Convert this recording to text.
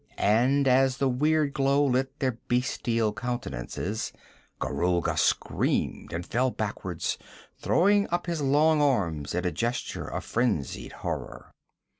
And as the weird glow lit their bestial countenances, Gorulga screamed and fell backward, throwing up his long arms in a gesture of frenzied horror.